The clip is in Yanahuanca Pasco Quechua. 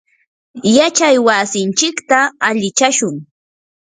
yachay wasinchikta alichashun.